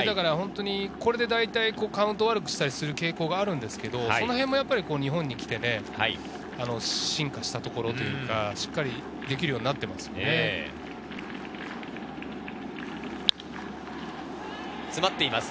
これでカウントを悪くしたりする傾向があるのですが、日本に来て進化したところ、しっかりできるようになっています。